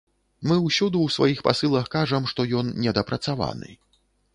Мы ўсюды ў сваіх пасылах кажам, што ён недапрацаваны.